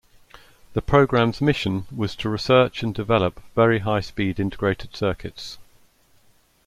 The program's mission was to research and develop very high speed integrated circuits.